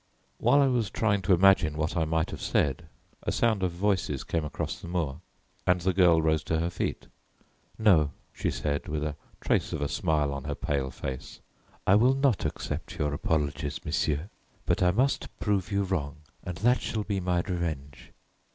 While I was trying to imagine what I might have said, a sound of voices came across the moor, and the girl rose to her feet. "No," she said, with a trace of a smile on her pale face, "I will not accept your apologies, monsieur, but I must prove you wrong, and that shall be my revenge.